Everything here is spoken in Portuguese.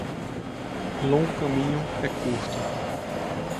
Longo caminho, é curto.